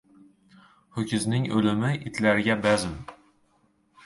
• Ho‘kizning o‘limi ― itlarga bazm.